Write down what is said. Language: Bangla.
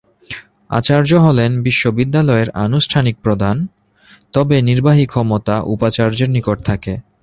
আচার্য হলেন বিশ্ববিদ্যালয়ের আনুষ্ঠানিক প্রধান, তবে নির্বাহী ক্ষমতা উপাচার্যের নিকট থাকে।